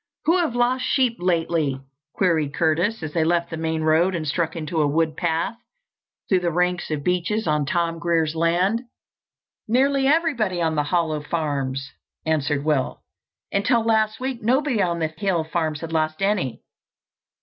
"Who have lost sheep lately?" queried Curtis, as they left the main road and struck into a wood path through the ranks of beeches on Tom Grier's land. "Nearly everybody on the Hollow farms," answered Will. "Until last week nobody on the Hill farms had lost any.